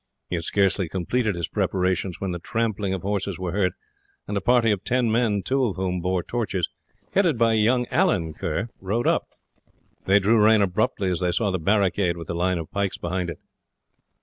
He had scarcely completed his preparations when the trampling of horses was heard and a party of ten men, two of whom bore torches, headed by young Allan Kerr, rode up. They drew rein abruptly as they saw the barricade with the line of pikes behind it.